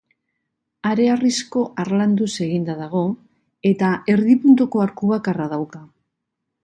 Hareharrizko harlanduz eginda dago eta erdi puntuko arku bakarra dauka.